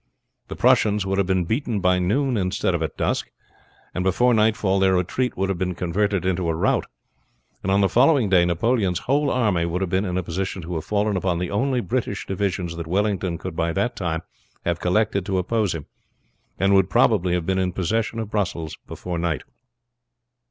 The Prussians would have been beaten by noon instead of at dusk, and before nightfall their retreat would have been converted into a rout, and on the following day Napoleon's whole army would have been in a position to have fallen upon the only British divisions that Wellington could by that time have collected to oppose him, and would probably have been in possession of Brussels before night.